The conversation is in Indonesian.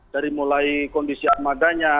dari mulai kondisi akmadanya